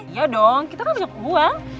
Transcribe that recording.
iya dong kita kan banyak uang